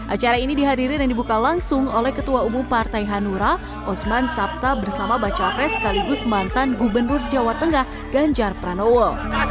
acara ini dihadiri dan dibuka langsung oleh ketua umum partai hanura osman sabta bersama baca pres sekaligus mantan gubernur jawa tengah ganjar pranowo